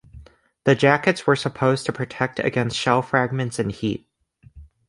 The jackets were supposed to protect against shell fragments and heat.